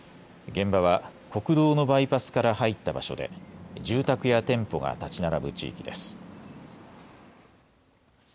現場は国道のバイパスから入った場所で住宅や店舗が建ち並ぶ地域です。